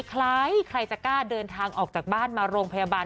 ใครใครจะกล้าเดินทางออกจากบ้านมาโรงพยาบาล